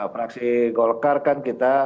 fraksi golkar kan